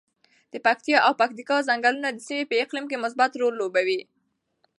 د پکتیا او پکتیکا ځنګلونه د سیمې په اقلیم کې مثبت رول لوبوي.